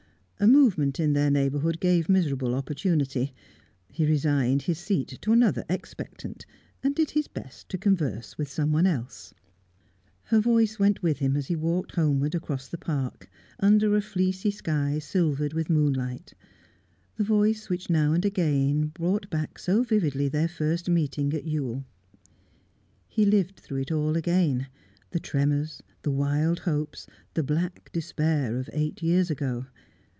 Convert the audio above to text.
A movement in their neighbourhood gave miserable opportunity; he resigned his seat to another expectant, and did his best to converse with someone else. Her voice went with him as he walked homewards across the Park, under a fleecy sky silvered with moonlight; the voice which now and again brought back so vividly their first meeting at Ewell. He lived through it all again, the tremors, the wild hopes, the black despair of eight years ago.